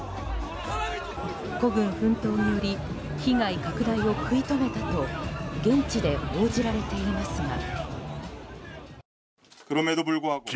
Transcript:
孤軍奮闘により被害拡大を食い止めたと現地で報じられていますが。